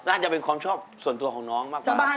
น่าจะเป็นความชอบส่วนตัวของน้องมากกว่า